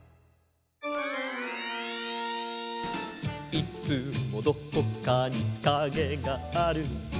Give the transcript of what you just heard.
「いつもどこかにカゲがある」